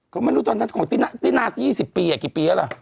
ก็ไม่รู้จังนะของตินาตินา๒๐ปีอ่ะกี่ปีแล้วล่ะ